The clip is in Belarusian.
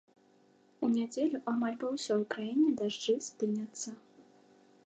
У нядзелю амаль па ўсёй краіне дажджы спыняцца.